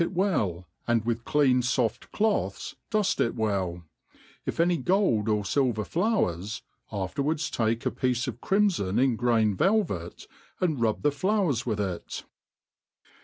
it well, and with clean «oft cloths duft it well ; if any gold crflU yer flowers, afterwards take ^ piece ^f or imibn in grain velvet* 9nd rub the flowers with it.